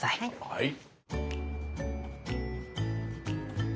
はい。